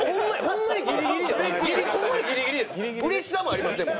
うれしさもありますでも。